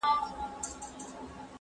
زه له سهاره ليکلي پاڼي ترتيب کوم؟